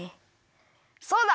そうだ！